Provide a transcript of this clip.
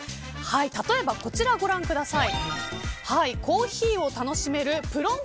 例えば、こちらご覧ください。